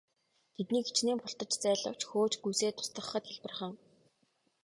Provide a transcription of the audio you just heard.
Тэднийг хэчнээн бултаж зайлавч хөөж гүйцээд устгахад хялбархан.